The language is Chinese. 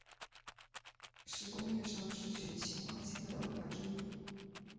是工业上制取氰化氢的方法之一。